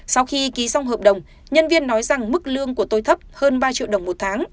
sau khi ký xong hợp đồng nhân viên nói rằng mức lương của tôi thấp hơn ba triệu đồng một tháng